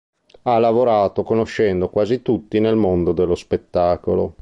Ha lavorato conoscendo quasi tutti nel mondo dello spettacolo.